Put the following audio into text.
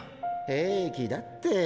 平気だってぇ！